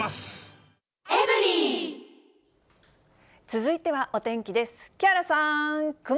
続いてはお天気です。